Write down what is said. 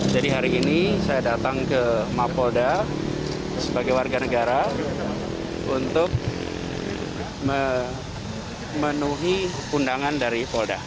jadi hari ini saya datang ke mapolda sebagai warga negara untuk memenuhi undangan dari polda